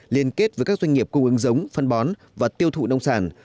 liên kết với các doanh nghiệp cung ứng giống phân bón và tiêu thụ nông sản